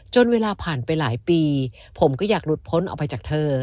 เวลาผ่านไปหลายปีผมก็อยากหลุดพ้นออกไปจากเธอ